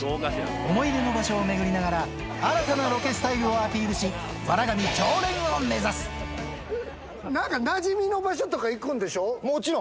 思い出の場所を巡りながら、新たなロケスタイルをアピールし、なんかなじみの場所とか行くもちろん。